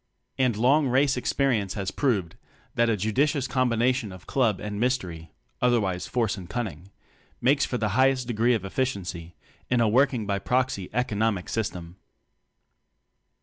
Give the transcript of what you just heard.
And long race ex perience has proved that a judicious combination of club and mystery (otherwise force and cunning) makes for the highest degree of efficiency in a Working by Proxy economic sys tem.